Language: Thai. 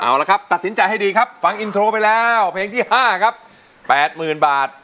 เอาละครับตัดสินใจให้ดีครับฟังอินโทรไปแล้วเพลงที่๕ครับ๘๐๐๐บาท